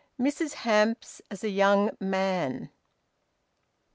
MRS. HAMPS AS A YOUNG MAN.